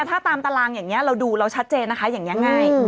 ถ้าตามตารางอย่างนี้เราดูเราชัดเจนนะคะอย่างนี้ง่าย